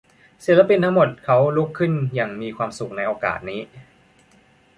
ศิลปินทั้งหมดเขาลุกขึ้นอย่างมีความสุขในโอกาสนี้